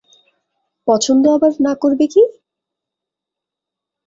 পছন্দ আবার না করবে কী?